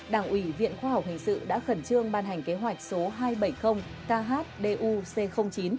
đảng ủy viện khoa học hình sự đã khẩn trương ban hành kế hoạch số hai trăm bảy mươi khdu c chín